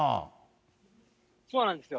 そうなんですよ。